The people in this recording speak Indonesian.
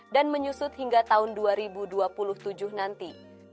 dan menyusut hingga tahun dua ribu dua puluh tujuh nanti